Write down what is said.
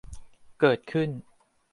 เกิดขึ้น